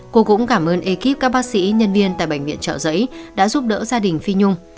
cô cũng cảm ơn ekip các bác sĩ nhân viên tại bệnh viện trợ giấy đã giúp đỡ gia đình phi nhung